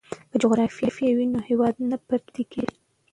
که جغرافیه وي نو هیواد نه پردی کیږي.